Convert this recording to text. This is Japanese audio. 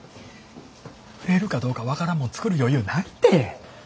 売れるかどうか分からんもん作る余裕ないて。